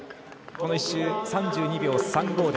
この１周３２秒３５。